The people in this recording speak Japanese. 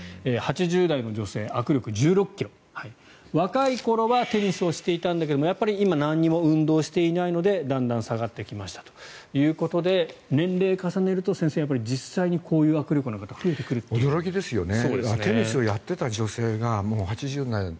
８０代の女性握力１６ｋｇ若い頃はテニスをしていたんだけど今、何も運動していないのでだんだん下がってきましたということで年齢を重ねると先生、実際にこういう握力の方が増えてくるということですね。